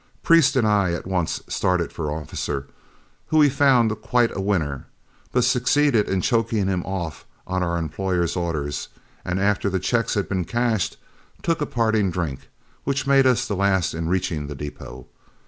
Priest and I at once started for Officer, whom we found quite a winner, but succeeded in choking him off on our employer's order, and after the checks had been cashed, took a parting drink, which made us the last in reaching the depot.